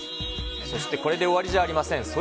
そしてこれで終わりじゃありません。